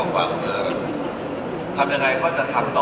ทำยังไงก็จะทำต่อ